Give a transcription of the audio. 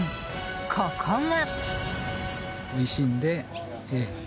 ここが。